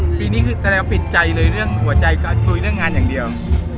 สัฤตัวปีนี้คุณแสดงพิษใจเลยเลยหัวใจด้านเพราะคือเป็นเรื่องงานอย่างเดียว